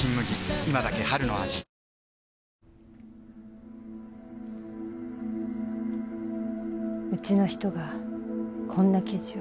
今だけ春の味うちの人がこんな記事を？